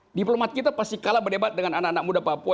di dalam kegugupan kita pasti kalah berdebat dengan anak anak muda papua